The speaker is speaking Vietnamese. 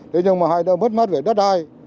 thế nhưng mà hai đứa mất mắt về đất đai